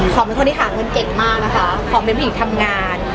เป็นคนที่หาเงินเก่งมากนะคะหอมเป็นผู้หญิงทำงาน